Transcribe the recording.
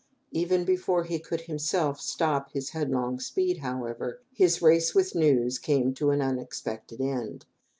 Even before he could himself stop his headlong speed, however, his race with news came to an unexpected end.